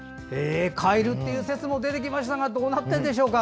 カエルっていう説も出てきましたがどうなってるんでしょうか。